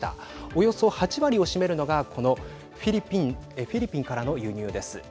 およそ８割を占めるのがこのフィリピンからの輸入です。